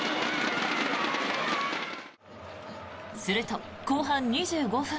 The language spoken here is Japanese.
すると、後半２５分。